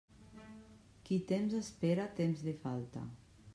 Qui temps espera, temps li falta.